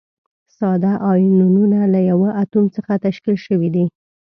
ساده ایونونه له یوه اتوم څخه تشکیل شوي دي.